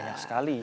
oh banyak sekali